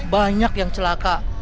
banyak yang celaka